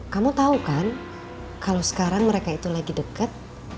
kamu tahu kan kalau sekarang mereka itu lagi deket